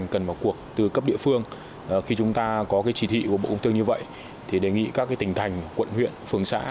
có cái chỉ thị của bộ công thương như vậy thì đề nghị các tỉnh thành quận huyện phường xã